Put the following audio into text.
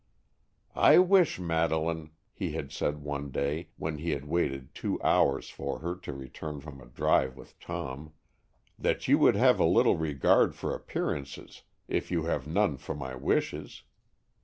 "I wish, Madeleine," he had said one day, when he had waited two hours for her to return from a drive with Tom, "that you would have a little regard for appearances, if you have none for my wishes.